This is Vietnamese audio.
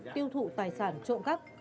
tiêu thụ tài sản trộm cắp